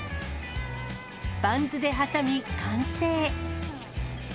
バンズで挟み、完成。